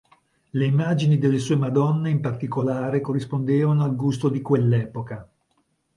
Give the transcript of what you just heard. Le immagini delle sue Madonne in particolare corrispondevano al gusto di quell'epoca.